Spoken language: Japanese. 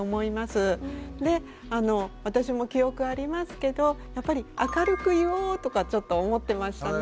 で私も記憶ありますけどやっぱり明るく言おうとかちょっと思ってましたね。